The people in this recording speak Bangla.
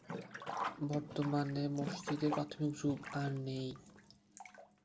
বর্তমানে মসজিদটির প্রাথমিক রূপ আর নেই।